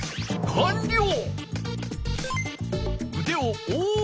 かんりょう！